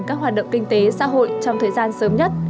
các hoạt động kinh tế xã hội trong thời gian sớm nhất